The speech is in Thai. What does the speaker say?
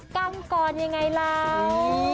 กล้องกรอย่างไรล้อวว